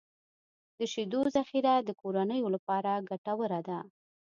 د شیدو ذخیره د کورنیو لپاره ګټوره ده.